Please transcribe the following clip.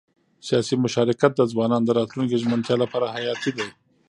سیاسي مشارکت د ځوانانو د راتلونکي ژمنتیا لپاره حیاتي دی